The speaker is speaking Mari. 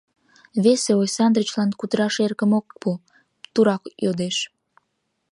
Весе Ойсандрычлан кутыраш эрыкым ок пу, тура йодеш: